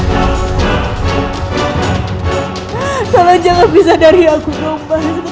mas tolong jangan bisa dari aku mas